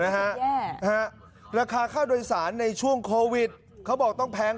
นะฮะแย่นะฮะราคาค่าโดยสารในช่วงโควิดเขาบอกต้องแพง